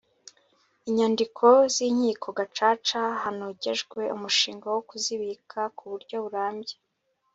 inyandiko z'inkiko gacaca hanogejwe umushinga wo kuzibika ku buryo burambye